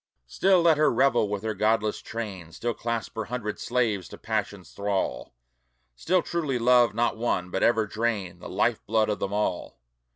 Still let her revel with her godless train, Still clasp her hundred slaves to passion's thrall, Still truly love not one, but ever drain The life blood of them all.